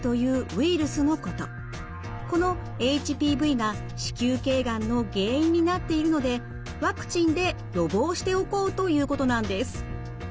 このＨＰＶが子宮頸がんの原因になっているのでワクチンで予防しておこうということなんです。